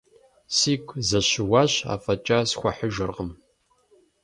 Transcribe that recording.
Сигу зэщыуащ, афӀэкӀа схуэхьыжыркъым.